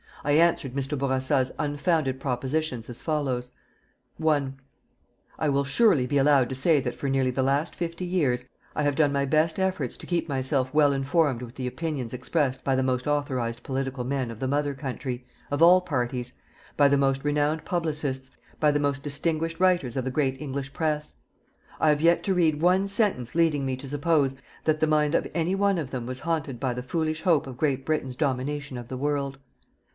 I answered Mr. Bourassa's unfounded propositions as follows: 1 I will surely be allowed to say that for nearly the last fifty years, I have done my best efforts to keep myself well informed with the opinions expressed by the most authorized political men of the Mother Country of all parties by the most renowned publicists, by the most distinguished writers of the great English press. I have yet to read one sentence leading me to suppose that the mind of any one of them was haunted by the foolish hope of Great Britain's domination of the world.